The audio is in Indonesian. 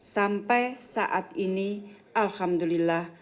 sampai saat ini alhamdulillah